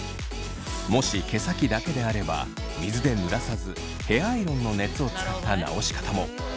もし毛先だけであれば水で濡らさずヘアアイロンの熱を使った直し方も。